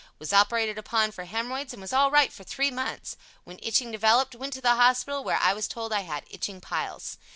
Was operated upon for hemorrhoids and was all right for three months. When itching developed, went to the hospital, where I was told I had itching piles.